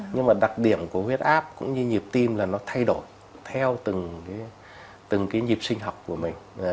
nhưng mà đặc điểm của huyết áp cũng như nhịp tim là nó thay đổi theo từng cái nhịp sinh học của mình